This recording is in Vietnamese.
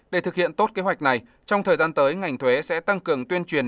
để thực hiện tốt kế hoạch này trong thời gian tới ngành thuế sẽ tăng cường tuyên truyền